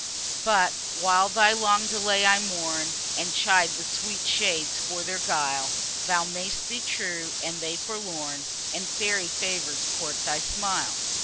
But, while thy long delay I mourn, And chide the sweet shades for their guile, Thou may'st be true, and they forlorn, And fairy favours court thy smile.